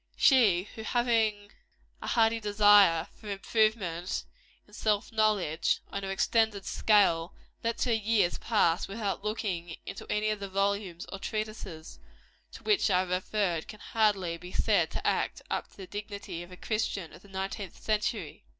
She who, having a hearty desire for improvement in self knowledge, on an extended scale, lets her years pass without looking into any of the volumes or treatises to which I have referred, can hardly be said to act up to the dignity of a Christian of the nineteenth century.